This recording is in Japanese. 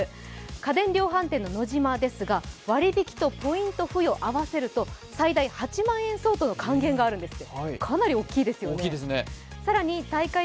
家電量販店ノジマですが割引きとポイント付与合わせると合わせると最大８万円相当の還元があるんですって。